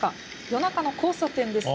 夜中の交差点です。